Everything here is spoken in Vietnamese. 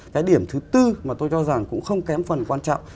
cái điểm thứ tư mà tôi cho rằng cũng không kém phần quan trọng